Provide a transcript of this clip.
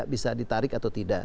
bisa ditarik atau tidak